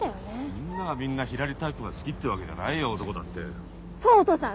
みんながみんなひらりタイプが好きってわけじゃないよ男だって。